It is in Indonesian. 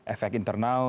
efek internal ya